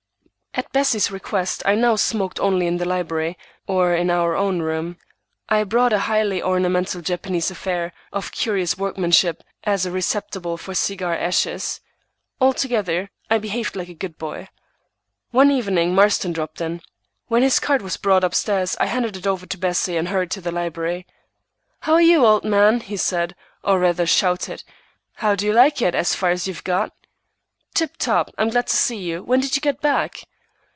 At Bessie's request, I now smoked only in the library, or in our own room. I bought a highly ornamental Japanese affair, of curious workmanship, as a receptacle for cigar ashes. Altogether, I behaved like a good boy. One evening Marston dropped in. When his card was brought up stairs, I handed it over to Bessie, and hurried to the library. "How are you, old man?" he said, or, rather, shouted. "How do you like it, as far as you've got?" "Tip top. I'm glad to see you. When did you get back?"